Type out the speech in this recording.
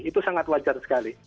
itu sangat wajar sekali